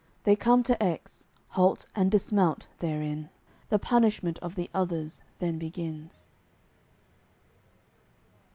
They come to Aix, halt and dismount therein. The punishment of the others then begins.